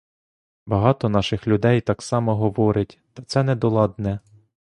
Багато наших людей так само говорить, та це недоладне.